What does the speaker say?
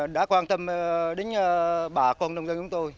đã quan tâm đến bà con nông dân chúng tôi